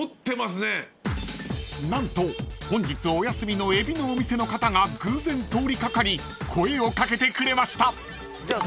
［何と本日お休みのエビのお店の方が偶然通り掛かり声を掛けてくれました］